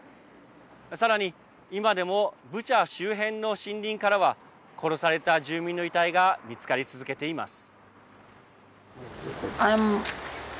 さらに、今でもブチャ周辺の森林からは殺された住民の遺体が見つかり続けています。